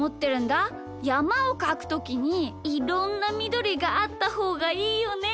やまをかくときにいろんなみどりがあったほうがいいよね。